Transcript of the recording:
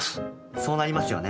そうなりますよね。